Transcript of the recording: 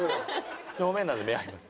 正面なので目合います。